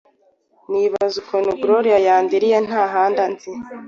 nibaza ukuntu Gloria yandiriye nta handi anzi